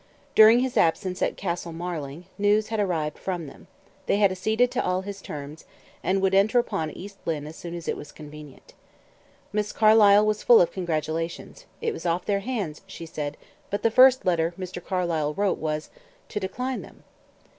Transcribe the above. During his absence at Castle Marling, news had arrived from them they had acceded to all his terms, and would enter upon East Lynne as soon as it was convenient. Miss Carlyle was full of congratulations; it was off their hands, she said; but the first letter Mr. Carlyle wrote was to decline them.